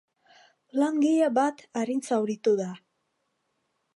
Langile bat arin zauritu da.